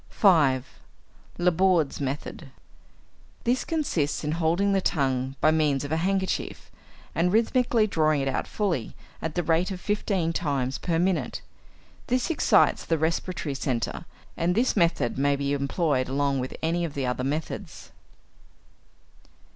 5. Laborde's Method. This consists in holding the tongue by means of a handkerchief, and rhythmically drawing it out fully at the rate of fifteen times per minute. This excites the respiratory centre, and this method may be employed along with any of the other methods.